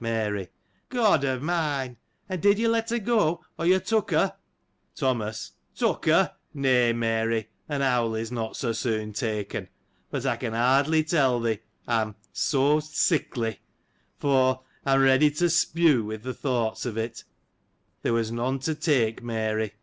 Mary. — God of mine ! And did you let her go, or you took her? Thomas. — Took her ! Nay, Mary, an owl is not so soon taken : but I can hardly tell thee, I'm so sickly : for, I'm ready to spew with the thoughts of it. There was none to take, Mary.